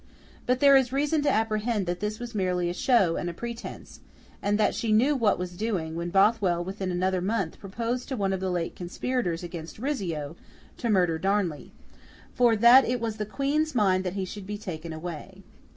But there is reason to apprehend that this was merely a show and a pretence, and that she knew what was doing, when Bothwell within another month proposed to one of the late conspirators against Rizzio, to murder Darnley, 'for that it was the Queen's mind that he should be taken away.